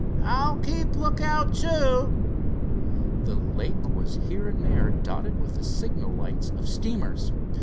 "I'll keep a lookout, too." The lake was here and there dotted with the signal lights of steamers.